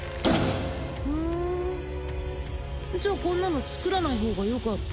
ふーんじゃあこんなのつくらない方がよかった？